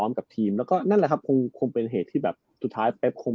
มีความขยัดซ้อม